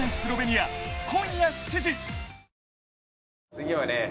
次はね